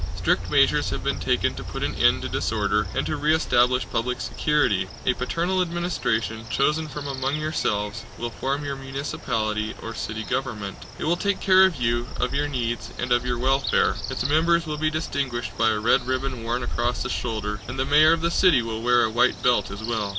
Strict measures have been taken to put an end to disorder and to re establish public security. A paternal administration, chosen from among yourselves, will form your municipality or city government. It will take care of you, of your needs, and of your welfare. Its members will be distinguished by a red ribbon worn across the shoulder, and the mayor of the city will wear a white belt as well.